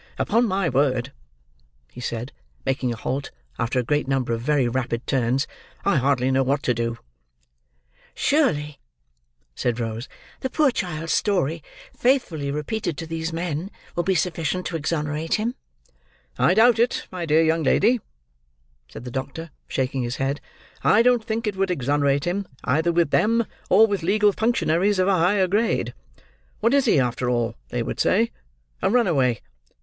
"Upon my word," he said, making a halt, after a great number of very rapid turns, "I hardly know what to do." "Surely," said Rose, "the poor child's story, faithfully repeated to these men, will be sufficient to exonerate him." "I doubt it, my dear young lady," said the doctor, shaking his head. "I don't think it would exonerate him, either with them, or with legal functionaries of a higher grade. What is he, after all, they would say? A runaway.